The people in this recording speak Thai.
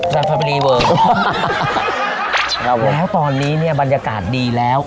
จันทบุรีเวอร์แล้วตอนนี้เนี่ยบรรยากาศดีแล้ว